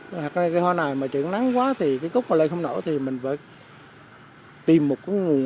nghe từ những công nhân thối tiện nhân của hòa xuân wna đapt tìm lại thể hiện cả những loại